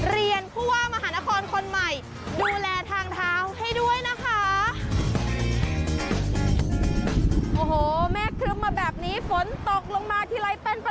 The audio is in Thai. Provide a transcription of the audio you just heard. เรียนผู้ว่างมหานครคนต่อไปช่วยจัดการทีเถอะ